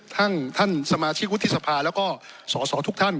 ท่านสมาชิกวุฒิสภาแล้วก็สอสอทุกท่าน